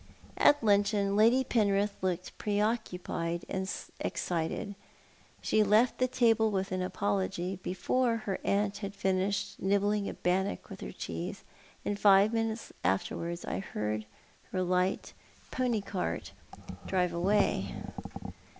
At luncheon Lady Penrith looked pre occuioied and excited. She left the table with an apology, before her aunt had finished nibbling a bannock with her cheese, and five minutes afterwards I heard her light pony cart drive away.